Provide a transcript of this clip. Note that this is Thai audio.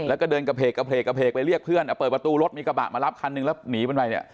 แล้วก็เดินกระเพกกระเพกกระเพกไปเรียกเพื่อนเปิดประตูรถมีกระบะมารับคันหนึ่งแล้วหนีมันไปเนี่ย